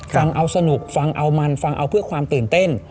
ฟังเอาสนุกฟังเอามันฟังเอาเพื่อความตื่นเต้น